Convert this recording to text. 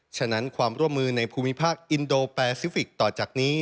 ฉะนั้นความร่วมมือในภูมิภาคอินโดแปซิฟิกส์ต่อจากนี้